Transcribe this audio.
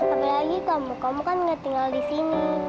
apalagi kamu kan nggak tinggal di sini